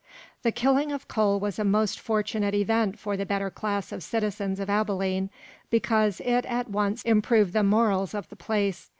The killing of Cole was a most fortunate event for the better class of citizens of Abilene, because it at once improved the morals of the place.